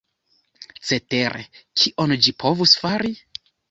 Cetere, kion ĝi povus fari?